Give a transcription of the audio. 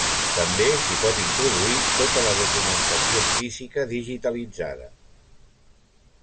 També s'hi pot introduir tota la documentació física digitalitzada.